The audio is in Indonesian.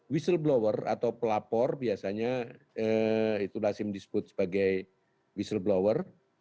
whistleblower atau pelapor biasanya itu nasim disebut sebagai whistleblower